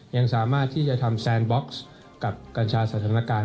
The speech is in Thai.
ยังสามารถที่จะทำแซนบ็อกซ์กับกัญชาสถานการณ์